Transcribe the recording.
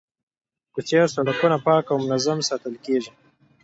کوڅې او سړکونه پاک او منظم ساتل کیږي.